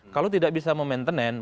kalau tidak bisa memantenen